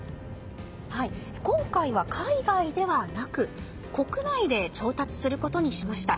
今回は海外ではなく国内で調達することにしました。